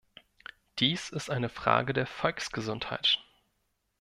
Dies ist eine Frage der Volksgesundheit.